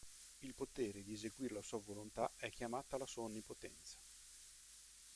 Il potere di eseguire la sua volontà è chiamata la sua "onnipotenza".